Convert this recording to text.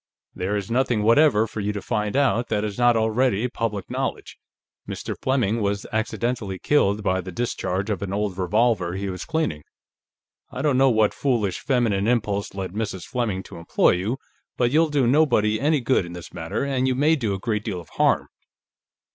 "There is nothing whatever for you to find out that is not already public knowledge. Mr. Fleming was accidentally killed by the discharge of an old revolver he was cleaning. I don't know what foolish feminine impulse led Mrs. Fleming to employ you, but you'll do nobody any good in this matter, and you may do a great deal of harm."